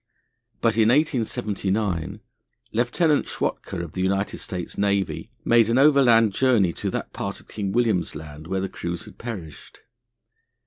But in 1879 Lieutenant Schwatka, of the United States Navy, made an overland journey to that part of King William's Land where the crews had perished.